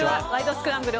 スクランブル」